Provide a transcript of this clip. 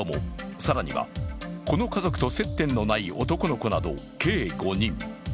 更には、この家族と接点のない男の子など、計５人。